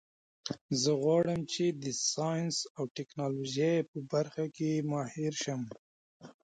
زه غواړم چې د ساینس او ټکنالوژۍ په برخه کې ماهر شم